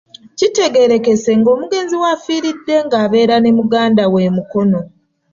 Kitegeerekese ng'omugenzi w'afiiridde ng'abeera ne muganda we e Mukono.